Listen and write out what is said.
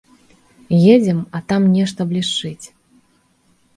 Едзем, а там нешта блішчыць.